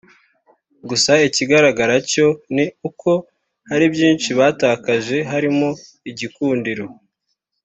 gusa ikigaragara cyo ni uko hari byinshi batakaje harimo igikundiro